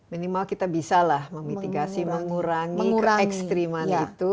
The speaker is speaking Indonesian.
minimal kita bisa lah memitigasi mengurangi ke ekstriman itu